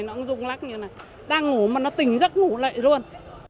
nó rung lắc như thế này đang ngủ mà nó tình giấc ngủ lại luôn